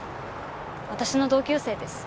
私の同級生です。